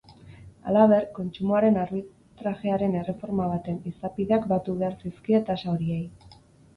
Halaber, kontsumoaren arbitrajearen erreforma baten izapideak batu behar zaizkie tasa horiei.